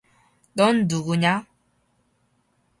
넌 누구냐?